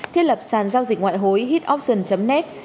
thiết lập sàn giao dịch ngoại hối hitoption net